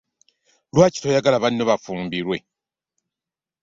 Lwaki toyagala bano bafumbirwe?